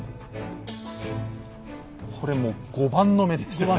これもう碁盤の目ですね。